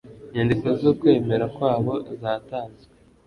inyandiko z ukwemera kwabo zatanzwe